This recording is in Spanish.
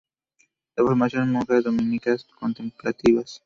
Lo formaron monjas dominicas contemplativas.